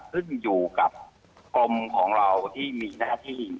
ขึ้นอยู่กับกรมของเราที่มีหน้าที่